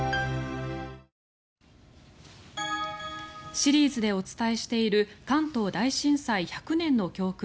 シリーズでお伝えしている関東大震災１００年の教訓。